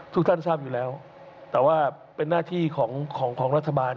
ทุกท่านทราบอยู่แล้วแต่ว่าเป็นหน้าที่ของของรัฐบาล